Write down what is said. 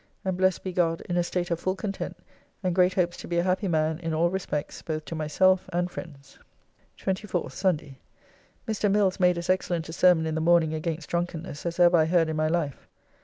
And blessed be God, in a state of full content, and great hopes to be a happy man in all respects, both to myself and friends. 24th (Sunday). Mr. Mills made as excellent a sermon in the morning against drunkenness as ever I heard in my life.